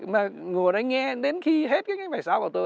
mà ngồi đó nghe đến khi hết cái sáo của tôi